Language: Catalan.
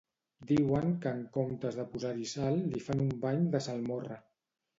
Diuen que en comptes de posar-hi sal li fan un bany de salmorra